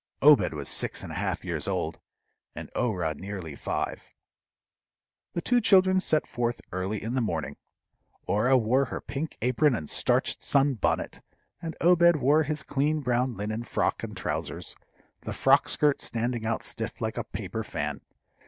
Obed was six and a half years old, and Orah nearly five. The two children set forth early in the morning. Orah wore her pink apron and starched sun bonnet, and Obed wore his clean brown linen frock and trousers, the frock skirt standing out stiff like a paper fan.